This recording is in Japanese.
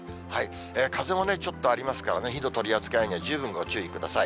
風もちょっとありますからね、火の取り扱いには十分ご注意ください。